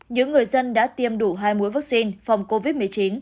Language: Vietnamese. những người dân đã tiêm đủ hai mũi vaccine phòng covid một mươi chín